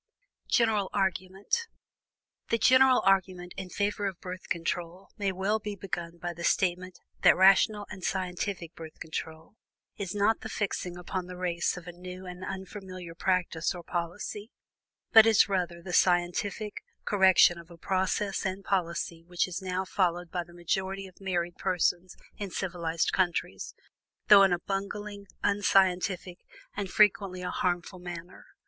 GENERAL ARGUMENT. The general argument in favor of Birth Control may well be begun by the statement that rational and scientific Birth Control is not the fixing upon the race of a new and unfamiliar practice or policy, but is rather the scientific correction of a practice and policy which is now followed by the majority of married persons in civilized countries, though in a bungling, unscientific, and frequently a harmful manner.